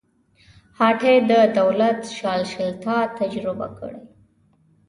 هایټي د دولت پاشلتیا تجربه کړې.